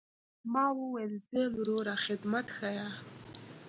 ما وويل زه يم وروه خدمت ښييه.